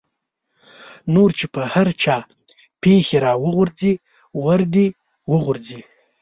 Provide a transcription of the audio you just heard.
نور چې په هر چا پېښې را غورځي ور دې وغورځي.